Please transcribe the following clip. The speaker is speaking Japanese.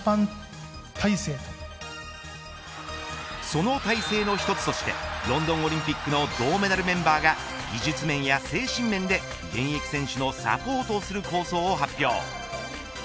その体制の一つとしてロンドンオリンピックの銅メダルメンバーが技術面や精神面で現役選手のサポートをする構想を発表。